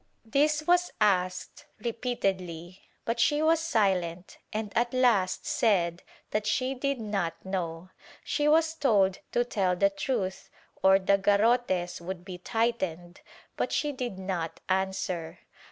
This was asked repeatedly, but she was silent and at last said that she did not know. She was told to tell the truth or the garrotes would be tightened but she did not answer.